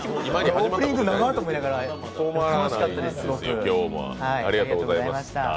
オープニングながっと思いながらすごく楽しかったです。